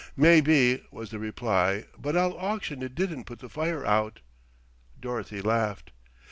"Maybe," was the reply, "but I'll auction it didn't put the fire out." Dorothy laughed.